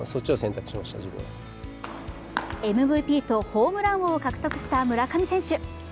ＭＶＰとホームラン王を獲得した村上選手。